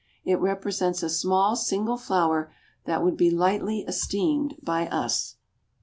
It represents a small single flower, that would be lightly esteemed by us.